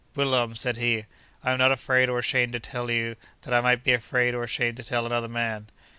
'Wilhelm,' said he, 'I am not afraid or ashamed to tell you what I might be afraid or ashamed to tell another man.